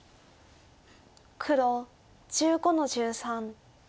黒１５の十三。